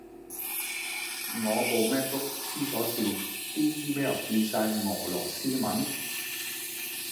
我部 MacBook 痴咗線，啲 email 變晒俄羅斯文